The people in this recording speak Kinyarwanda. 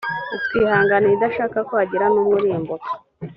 itwihanganira idashaka ko hagira n umwe urimbuka